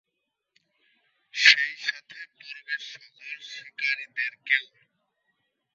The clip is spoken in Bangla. সেইসাথে পূর্বের সকল শিকারিদেরকেও।